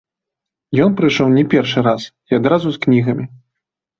Ён прыйшоў не першы раз, і адразу з кнігамі.